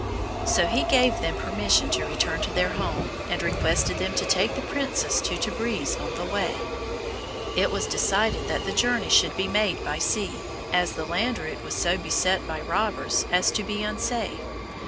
So he gave them permission to return to their home, and requested them to take the princess to Tabriz on the way. It was decided that the journey should be made by sea, as the land route was so beset by robbers as to be unsafe.